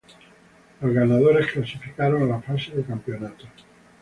Los ganadores clasificaron a la Fase de campeonato.